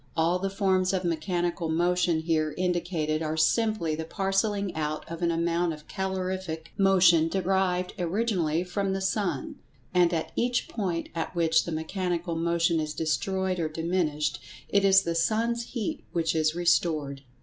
All the forms of mechanical motion here indicated are simply the parcelling out of an amount of calorific motion derived originally from the sun; and, at each point at which the mechanical[Pg 118] motion is destroyed or diminished, it is the sun's heat which is restored."